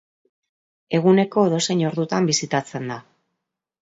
Eguneko edozein ordutan bisitatzen da.